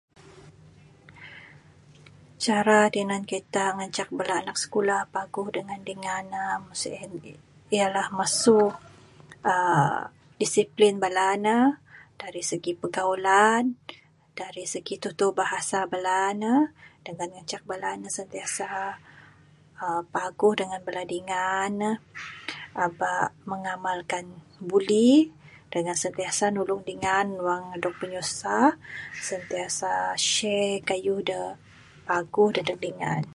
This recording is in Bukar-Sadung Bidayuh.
Cara tinan kita ngancak bala anak skulah paguh dengan dingan ne mu sien gih yalah masu aaa disiplin bala ne, dari segi pergaulan, dari segi tutur bahasa bala ne dengan ngancak bala ne sentiasa aaa paguh dengan dingan ne aba mengamalkan buli, dengan sentiasa nulung dingan wang dog pinyusah, sentiasa share kayuh da paguh dadeg dingan.